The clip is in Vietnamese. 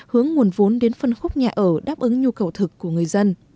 hướng nguồn vốn đến phân khúc nhà ở đáp ứng nhu cầu thực của người dân